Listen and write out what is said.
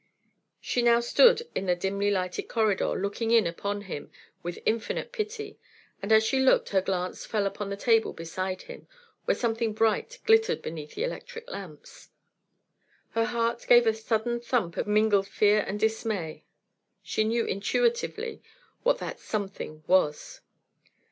She now stood in the dimly lighted corridor looking in upon him with infinite pity, and as she looked her glance fell upon the table beside him, where something bright glittered beneath the electric lamps. Her heart gave a sudden thump of mingled fear and dismay. She knew intuitively what that "something" was.